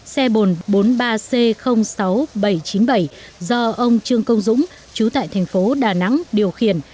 xe bồn bốn mươi ba c sáu nghìn bảy trăm chín mươi bảy do ông trương công dũng chú tại thành phố đà nẵng điều khiển